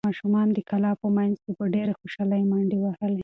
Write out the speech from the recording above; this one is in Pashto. ماشومانو د کلا په منځ کې په ډېرې خوشحالۍ منډې وهلې.